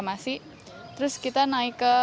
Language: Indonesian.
kemudian itu saya membawa bendera pusaka